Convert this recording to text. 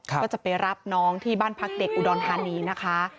ก็จะไปรับน้องที่บ้านพักเด็กอุดรธานีนะคะ